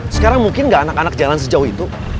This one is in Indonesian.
sekarang mungkin nggak anak anak jalan sejauh itu